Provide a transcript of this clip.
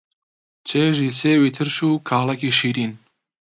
چێژی سێوی ترش و کاڵەکی شیرین